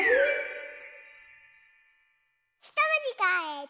ひともじかえて。